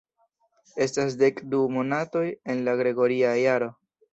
Estas dek du monatoj en la gregoria jaro.